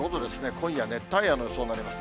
今夜、熱帯夜の予想になります。